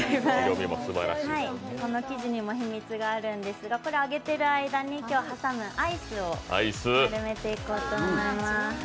この生地にも秘密があるんですが今日揚げている間にアイスを丸めていこうと思います。